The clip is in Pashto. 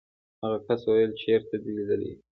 هغه کس وویل چېرته دې لیدلی یم.